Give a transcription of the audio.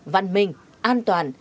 văn minh an toàn